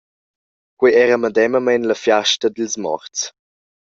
Quei era medemamein la fiasta dils morts.